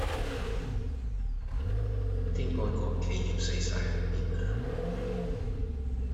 啲愛國企業死哂去邊呀